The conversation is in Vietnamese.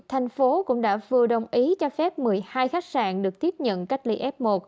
thành phố cũng đã vừa đồng ý cho phép một mươi hai khách sạn được tiếp nhận cách ly f một